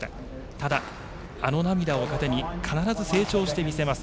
ただ、あの涙を糧に必ず成長してみせます。